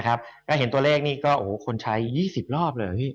ก็เห็นตัวเลขนี่ก็โอ้โหคนใช้๒๐รอบเลยเหรอพี่